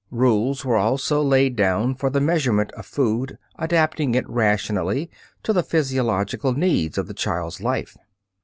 Rules were also laid down for the measurement of food adapting it rationally to the physiological needs of the child's life.